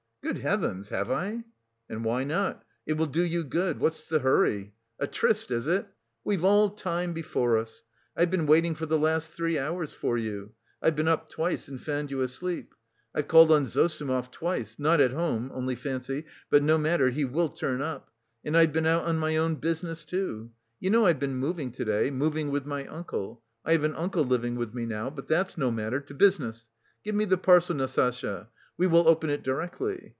"Good heavens! Have I?" "And why not? It will do you good. What's the hurry? A tryst, is it? We've all time before us. I've been waiting for the last three hours for you; I've been up twice and found you asleep. I've called on Zossimov twice; not at home, only fancy! But no matter, he will turn up. And I've been out on my own business, too. You know I've been moving to day, moving with my uncle. I have an uncle living with me now. But that's no matter, to business. Give me the parcel, Nastasya. We will open it directly.